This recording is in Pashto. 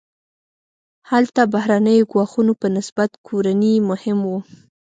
هلته بهرنیو ګواښونو په نسبت کورني مهم وو.